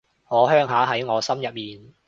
我鄉下喺我心入面